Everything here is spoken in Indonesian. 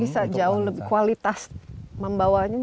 karena bisa jauh lebih kualitas membawanya